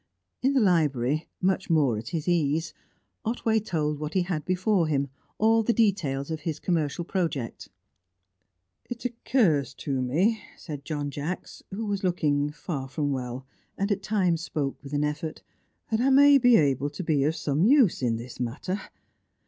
In the library, much more at his ease, Otway told what he had before him, all the details of his commercial project. "It occurs to me," said John Jacks who was looking far from well, and at times spoke with an effort "that I may be able to be of some use in this matter.